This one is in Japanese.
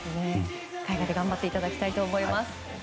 海外で頑張っていただきたいと思います。